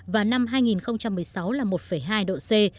và năm hai nghìn một mươi sáu là một hai độ c